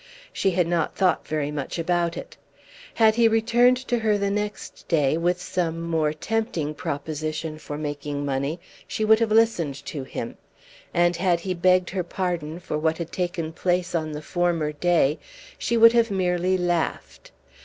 She had not thought very much about it. Had he returned to her the next day with some more tempting proposition for making money she would have listened to him, and had he begged her pardon for what had taken place on the former day she would have merely laughed.